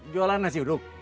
jualan nasi uduk